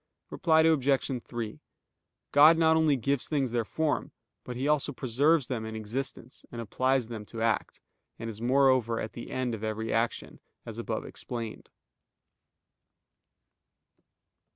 Reply Obj. 3: God not only gives things their form, but He also preserves them in existence, and applies them to act, and is moreover the end of every action, as above explained.